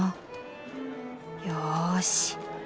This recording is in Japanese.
よし。